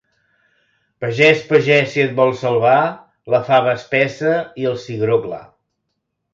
Pagès, pagès, si et vols salvar, la fava espessa, i el cigró clar.